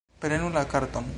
Prenu la karton